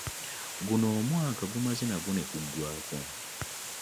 Guno omwaka nagwo gumaze ne guggwaako!